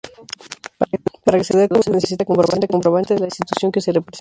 Para acceder como investigador se necesita comprobante de la institución que se representa.